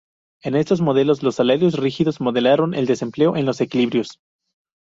En estos modelos, los salarios rígidos modelaron el desempleo en los equilibrios.